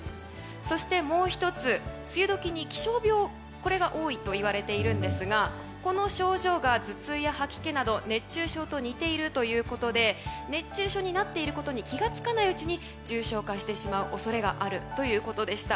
そしてもう１つ梅雨時に気象病が多いといわれていますがこの症状が頭痛や吐き気など熱中症と似ているということで熱中症になっていることに気が付かないうちに重症化してしまう恐れがあるということでした。